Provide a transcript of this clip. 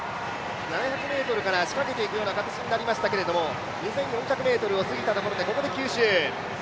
７００ｍから仕掛けていくような形になりましたけれども２４００ｍをすぎたところで吸収。